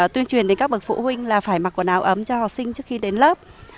tuyên truyền đến các bậc phụ huynh là phải mặc quần áo ấm cho học sinh trước khi đến lớp